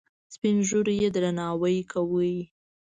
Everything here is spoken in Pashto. سپین ږیرو یې درناوی کاوه.